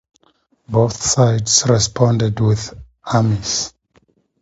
Both sides responded with armies.